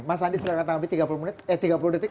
mas andi silahkan tanggapi tiga puluh detik